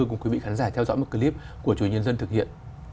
cùng quý vị khán giả theo dõi một clip của chủ nhân dân thực hiện